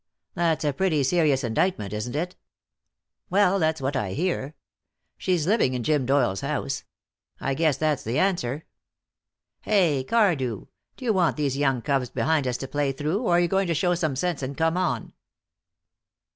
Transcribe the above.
"That's a pretty serious indictment, isn't it?" "Well, that's what I hear. She's living in Jim Doyle's house. I guess that's the answer. Hey, Cardew! D'you want these young cubs behind us to play through, or are you going to show some sense and come on?"